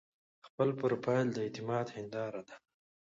خپل پروفایل د اعتماد هنداره ده.